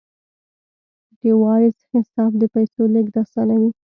د وایز حساب د پیسو لیږد اسانوي.